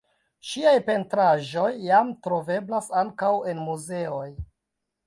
Ŝiaj pentraĵoj jam troveblas ankaŭ en muzeoj.